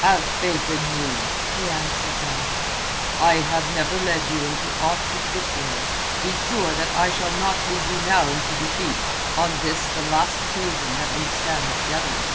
"Have faith in me!" he answered them. "I have never led you into aught but victory. Be sure that I shall not lead you now into defeat—on this the last occasion that we stand together."